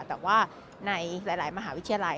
แต่ว่าในหลายมหาวิทยาลัย